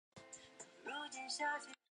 终于有网路了